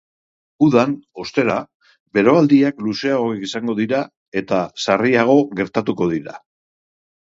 Udan, ostera, beroaldiak luzeagoak izango dira, eta sarriago gertatuko dira.